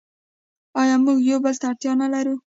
آیا موږ یو بل ته اړتیا نلرو؟